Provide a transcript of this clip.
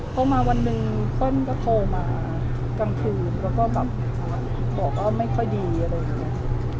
พอมาวันหนึ่งเปิ้ลก็โทรมากลางคืนแล้วก็แบบบอกว่าไม่ค่อยดีอะไรอย่างนี้